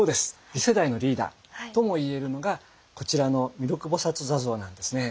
次世代のリーダーともいえるのがこちらの弥勒菩坐像なんですね。